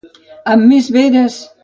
Amb més veres!